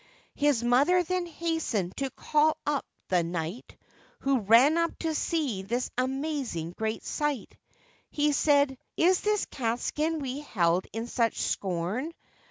His mother then hastened to call up the knight, Who ran up to see this amazing great sight; He said, 'Is this Catskin we held in such scorn?